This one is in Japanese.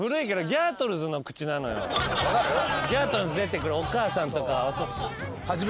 『ギャートルズ』に出てくるお母さんとか。